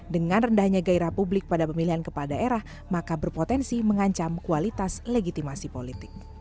dengan rendahnya gairah publik pada pemilihan kepala daerah maka berpotensi mengancam kualitas legitimasi politik